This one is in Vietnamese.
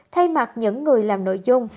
thay mặt những người làm nội dung